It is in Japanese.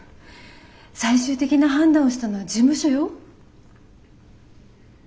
最終的な判断をしたのは事務所よ。